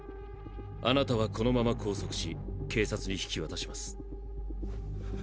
あなたはこのまま拘束し警察に引き渡します。